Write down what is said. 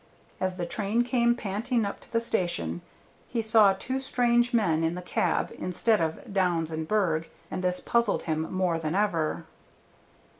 As the train came panting up to the station he saw two strange men in the cab instead of Downs and Berg, and this puzzled him more than ever.